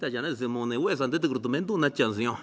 もうね大家さん出てくると面倒になっちゃうんすよ。